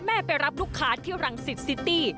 ไปรับลูกค้าที่รังสิตซิตี้